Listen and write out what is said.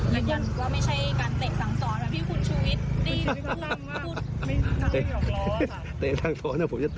และก็ไม่ใช่การเตะทางถอดแม้เพียงภูมิชุวิต